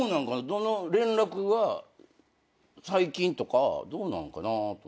どの連絡が最近とかどうなんかなと思って。